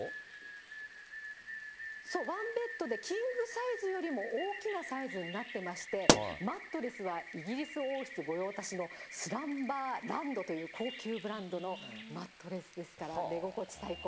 そう、ワンベッドでキングサイズよりも大きなサイズになってまして、マットレスはイギリス王室御用達の、スランバーランドという高級ブランドのマットレスですから、寝心地最高。